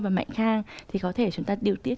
và mạnh khang thì có thể chúng ta điều tiết